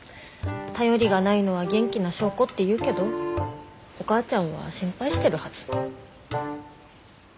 便りがないのは元気な証拠って言うけどお母ちゃんは心配してるはず。